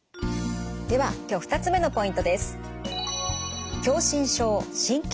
では今日２つ目のポイントです。